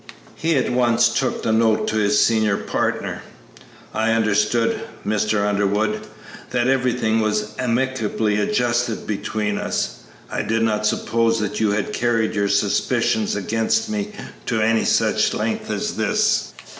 He at once took the note to his senior partner. "I understood, Mr. Underwood, that everything was amicably adjusted between us; I did not suppose that you had carried your suspicions against me to any such length as this!"